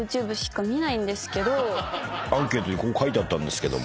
アンケートにこう書いてあったんですけども。